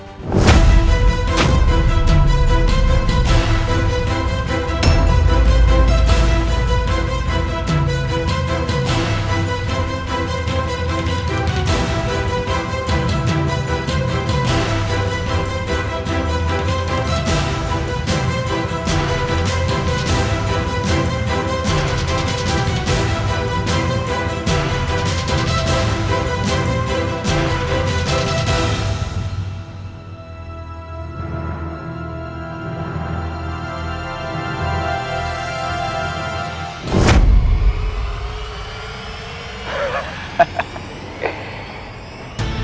bicara yang jelas